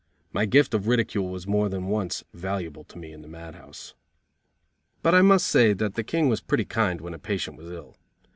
My gift of ridicule was more than once valuable to me in the mad house. But I must say that the King was pretty kind when a patient was ill.